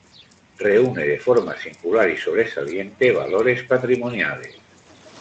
Reúne de forma singular y sobresaliente valores patrimoniales.